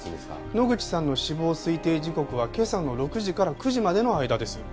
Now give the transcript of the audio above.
野口さんの死亡推定時刻は今朝の６時から９時までの間です。